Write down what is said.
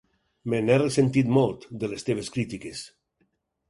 Me n'he ressentit molt, de les teves crítiques.